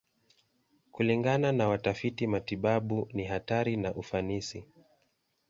Kulingana na watafiti matibabu, ni hatari na ufanisi.